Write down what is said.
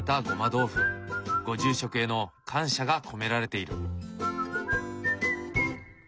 ご住職への感謝が込められている。